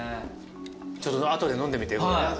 ちょっと後で飲んでみて。